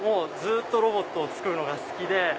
ロボットを作るのが好きで。